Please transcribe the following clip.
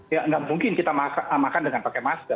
ya nggak mungkin kita makan dengan pakai masker